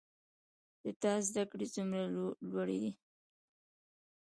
د تا زده کړي څومره لوړي دي